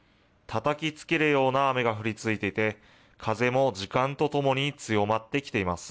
たたきつけるような雨が降り続いていて、風も時間とともに強まってきています。